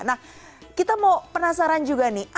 nah kita mau penasaran juga nih